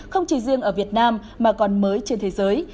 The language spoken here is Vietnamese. không chỉ riêng ở việt nam mà còn mới trên thế giới